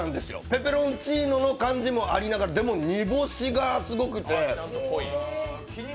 ペペロンチーノの感じもありながらでも、煮干しがすごくて。